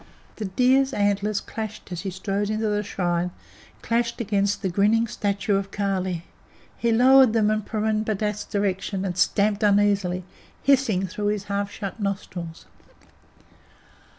The deer's antlers clashed as he strode into the shrine, clashed against the grinning statue of Kali. He lowered them in Purun Bhagat's direction and stamped uneasily, hissing through his half shut nostrils.